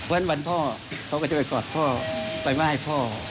วันพ่อเขาก็จะไปกอดพ่อไปมาให้พ่อ